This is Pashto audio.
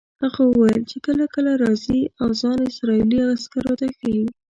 هغه وویل چې کله کله راځي او ځان اسرائیلي عسکرو ته ښیي.